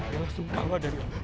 bella sungguh ada di rumah